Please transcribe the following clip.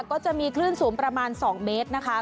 ก็จะมีคลื่นสูงประมาณ๒เมตรนะคะ